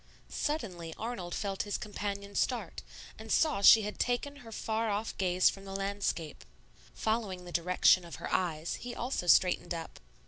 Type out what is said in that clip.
Suddenly Arnold felt his companion start, and saw she had taken her far off gaze from the landscape. Following the direction of her eyes, he also straightened up.